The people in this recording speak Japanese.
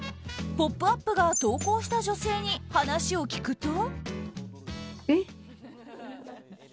「ポップＵＰ！」が投稿した女性に話を聞くと。